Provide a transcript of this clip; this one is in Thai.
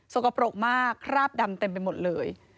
กปรกมากคราบดำเต็มไปหมดเลย